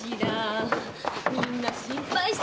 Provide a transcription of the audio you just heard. みんな心配してたのよ。